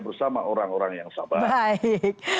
bersama orang orang yang sabar